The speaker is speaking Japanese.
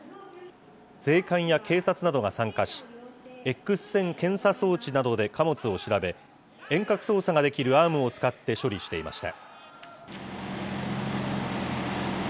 税関や警察などが参加し、エックス線検査装置などで貨物を調べ、遠隔操作ができるアームを使って処理していました。